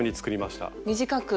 短く？